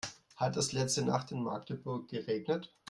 Hat es letzte Nacht in Magdeburg geregnet?